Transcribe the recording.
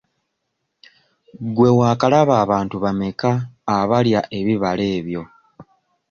Gwe waakalaba abantu bameka abalya ebibala ebyo?